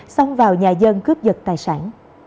xong vào nhà dân cướp dật tài sản